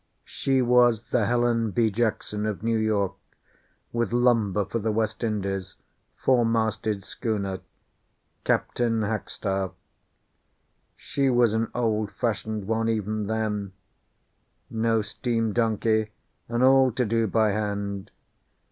She was the Helen B. Jackson, of New York, with lumber for the West Indies, four masted schooner, Captain Hackstaff. She was an old fashioned one, even then no steam donkey, and all to do by hand.